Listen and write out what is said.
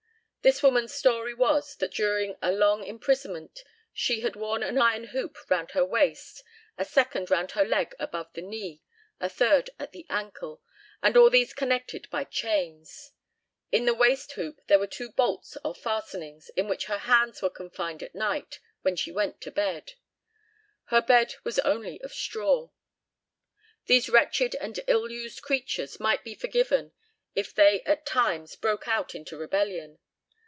This woman's story was, that during a long imprisonment she had worn an iron hoop round her waist, a second round her leg above the knee, a third at the ankle, and all these connected by chains. In the waist hoop were two bolts or fastenings, in which her hands were confined at night when she went to bed. Her bed was only of straw. These wretched and ill used creatures might be forgiven if they at times broke out into rebellion.